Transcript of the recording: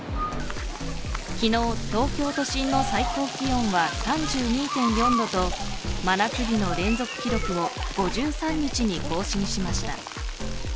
昨日、東京都心の最高気温は３２．４度と真夏日の連続記録を５３日に更新しました。